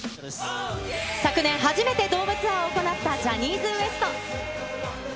昨年、初めてドームツアーを行ったジャニーズＷＥＳＴ。